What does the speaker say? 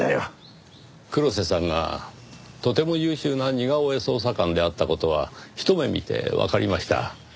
黒瀬さんがとても優秀な似顔絵捜査官であった事はひと目見てわかりました。